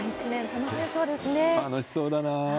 楽しそうだなぁ。